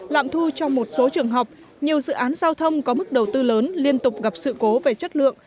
lạm thu trong một số trường học nhiều dự án giao thông có mức đầu tư lớn liên tục gặp sự cố về chất lượng